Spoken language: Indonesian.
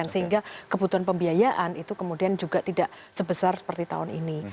sehingga kebutuhan pembiayaan itu kemudian juga tidak sebesar seperti tahun ini